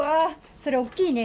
それ、大きいね。